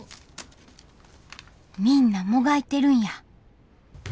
みんなもがいてるんや。